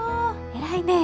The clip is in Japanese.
偉いね。